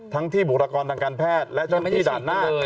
ที่บุรกรทางการแพทย์และเจ้าหน้าที่ด่านหน้า